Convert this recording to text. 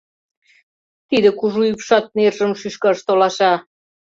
— Тиде кужу ӱпшат нержым шӱшкаш толаша!